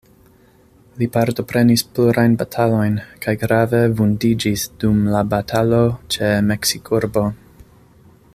Li partoprenis plurajn batalojn, kaj grave vundiĝis dum la batalo ĉe Meksikurbo.